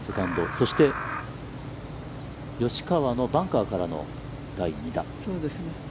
そして、吉川のバンカーからの第２打。